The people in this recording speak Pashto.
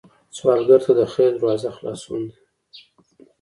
سوالګر ته د خیر دروازه خلاصون ده